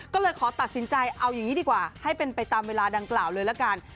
ก็เลยขอตัดสินใจเอาอย่างนี้ดีกว่าให้เป็นไปตามเวลาดังกล่าวเลยละกัน